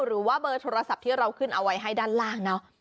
หรือว่าเบอร์โทรศัพท์ที่เราขึ้นเอาไว้ให้ด้านล่างเนอะ